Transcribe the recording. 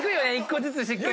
１個ずつ。